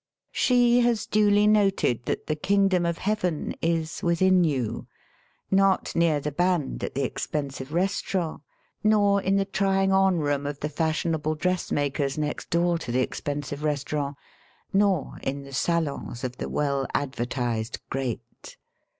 She has duly noted that the kingdom of heaven is *Vithin you,*' not near the band at the expensive restaurant, nor in the trying on room of the fash ionable dressmaker's next door to the expensive restaurant, nor in the salons of the well advertised great.